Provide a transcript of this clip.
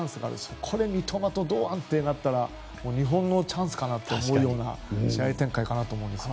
ここで三笘と堂安となると日本のチャンスかなと思うような試合展開かなと思いますね。